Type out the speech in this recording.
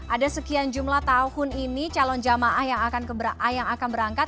ada sekian jumlah tahun ini calon jamaah yang akan berangkat